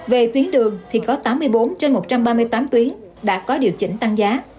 về tuyến đường thì có tám mươi bốn trên một trăm ba mươi tám tuyến đã có điều chỉnh tăng giá